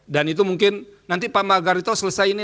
dan itu mungkin nanti pak margarito selesai ini